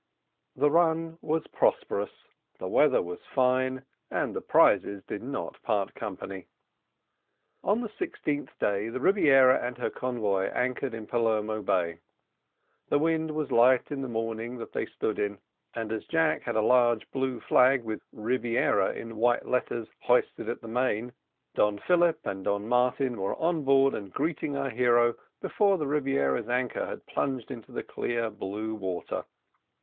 The run was prosperous, the weather was fine, and the prizes did not part company. On the sixteenth day the Rebiera and her convoy anchored in Palermo Bay. The wind was light in the morning that they stood in, and as Jack had a large blue flag with Rebiera in white letters hoisted at the main, Don Philip and Don Martin were on board and greeting our hero, before the Rebiera's anchor had plunged into the clear blue water.